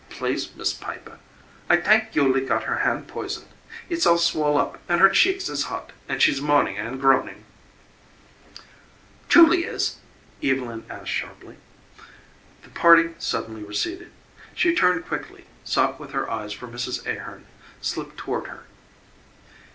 "Please, Mis' Piper, I tank Yulie got her hand poisoned. It's all swole up and her cheeks is hot and she's moanin' an' groanin' " "Julie is?" Evylyn asked sharply. The party suddenly receded. She turned quickly, sought with her eyes for Mrs. Ahearn, slipped toward her.